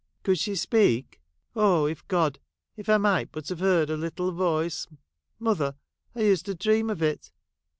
' Could she speak ? Oh, if God— if I might but have heard her little voice ! Mother, I used to dream of it.